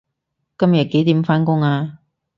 今日幾點返工啊